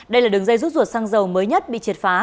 đây là đường dây rút ruột xăng dầu mới nhất bị triệt phá